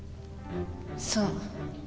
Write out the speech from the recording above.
そう。